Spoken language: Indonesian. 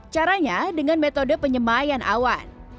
caranya dengan metode penyemayan awan